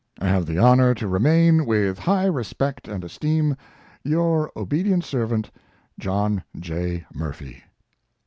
I have the honor to remain, with high respect and esteem, Your ob'dt. Servant, JOHN J. MURPHY.